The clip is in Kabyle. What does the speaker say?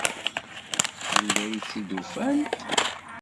Anda ay tt-id-ufant?